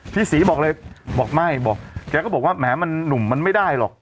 พี่ศรีบอกเลยบอกไม่บอกแกก็บอกว่าแหมมันหนุ่มมันไม่ได้หรอก